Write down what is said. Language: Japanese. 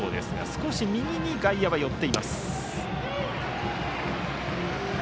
少し右に外野は寄っています。